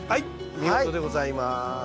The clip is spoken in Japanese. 見事でございます。